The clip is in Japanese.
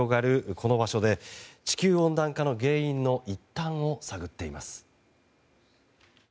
この場所で地球温暖化の原因の一端を探っています。